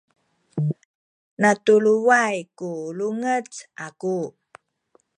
natuluway ku lunguc aku